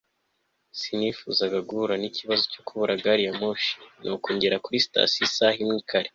Sinifuzaga guhura nikibazo cyo kubura gari ya moshi nuko ngera kuri sitasiyo isaha imwe kare